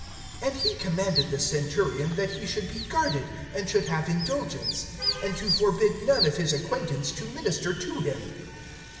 (23)And he commanded the centurion that he should be guarded, and should have indulgence; and to forbid none of his acquaintance to minister to him.